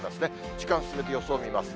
時間進めて予想を見ます。